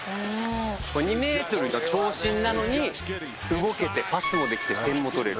２メートルの長身なのに動けてパスもできて点も取れる。